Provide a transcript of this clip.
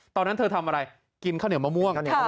ตอนนั้นเธอทำอะไรกินข้าวเหนียวมะม่วง